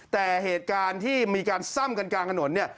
แต่เหตุการณ์ที่มีการซ่ำกันกลางถนนเนี่ย